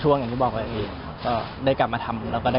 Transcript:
อย่างที่บอกว่าได้กลับมาทำ